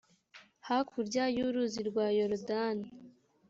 hakurya y’uruzi rwa yorodani